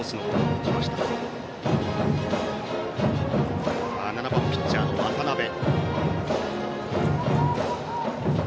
打席には７番ピッチャーの渡辺。